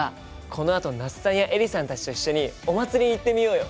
このあと那須さんやエリさんたちと一緒にお祭りに行ってみようよ！